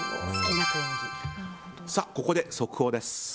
ここで速報です。